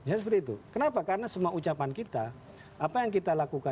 ya seperti itu kenapa karena semua ucapan kita apa yang kita lakukan